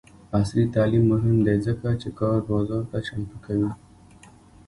عصري تعلیم مهم دی ځکه چې د کار بازار ته چمتو کوي.